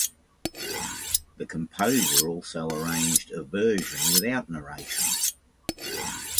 The composer also arranged a version without narration.